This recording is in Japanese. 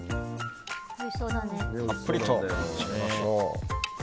たっぷりとのせましょう。